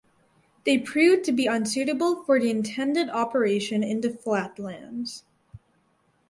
They proved to be unsuitable for the intended operation in the flatlands.